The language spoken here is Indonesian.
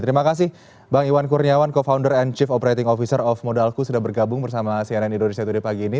terima kasih bang iwan kurniawan co founder and chief operating officer of modalku sudah bergabung bersama cnn indonesia today pagi ini